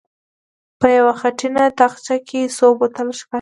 په يوه خټينه تاخچه کې څو بوتله ښکارېدل.